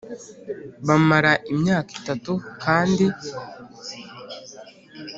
bamara imyaka itatu kandi